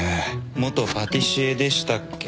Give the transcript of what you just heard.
元パティシエでしたっけ？